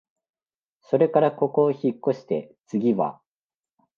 それからここをひっこして、つぎは、